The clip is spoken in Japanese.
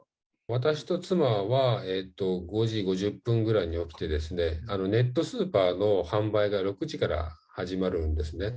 私と妻は５時５０分ぐらいに起きて、ネットスーパーの販売が６時から始まるんですね。